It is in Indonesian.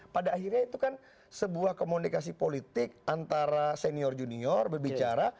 pada akhirnya itu kan sebuah komunikasi politik antara senior junior berbicara